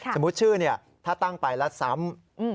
สมมุติชื่อถ้าตั้งไปแล้วซ้ำ